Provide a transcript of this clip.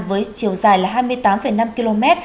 với chiều dài là hai mươi tám năm km